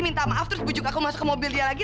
minta maaf terus bujuk aku masuk ke mobil dia lagi